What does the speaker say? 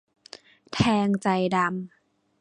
แทงใจดำ